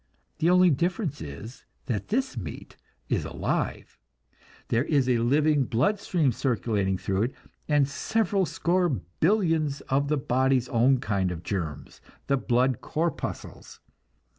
The only difference is that this meat is alive, there is a living blood stream circulating through it, and several score billions of the body's own kind of germs, the blood corpuscles.